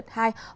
hỗ trợ nhân dân